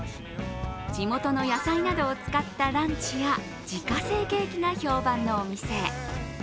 地元の野菜などを使ったランチや自家製ケーキが評判のお店。